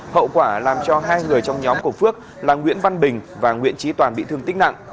hậu quả làm cho hai người trong nhóm của phước là nguyễn văn bình và nguyễn trí toàn bị thương tích nặng